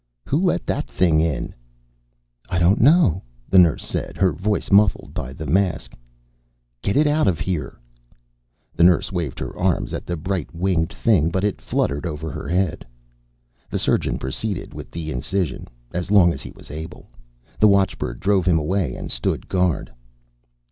"Who let that thing in?" "I don't know," the nurse said, her voice muffled by the mask. "Get it out of here." The nurse waved her arms at the bright winged thing, but it fluttered over her head. The surgeon proceeded with the incision as long as he was able. The watchbird drove him away and stood guard.